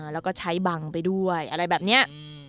แล้วก็ใช้บังไปด้วยอะไรแบบนี้